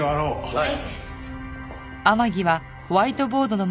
はい。